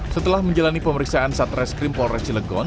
setelah menjalani pemeriksaan saat res krim polres cilekon